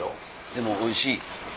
でもおいしい。